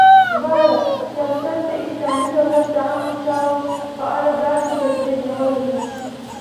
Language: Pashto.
ژباړه : سیاست د اسلامی دولت د عامه چارو په اړه داسی تدبیر نیول دی